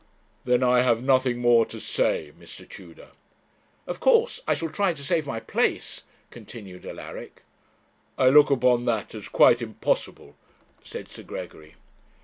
'Then I have nothing more to say, Mr. Tudor.' 'Of course I shall try to save my place,' continued Alaric. 'I look upon that as quite impossible,' said Sir Gregory.